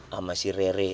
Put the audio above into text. sama si rere